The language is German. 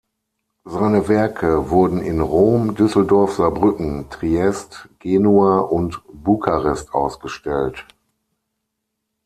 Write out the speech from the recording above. Seine Werke wurden in Rom, Düsseldorf, Saarbrücken, Triest, Genua und Bukarest ausgestellt.